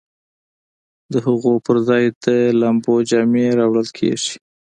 د هغو پر ځای د لامبو جامې راوړل کیږي